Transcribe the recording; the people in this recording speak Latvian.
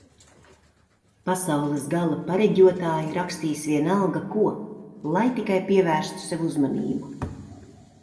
Pasaules gala pareģotāji rakstīs vienalga ko, lai tikai pievērstu sev uzmanību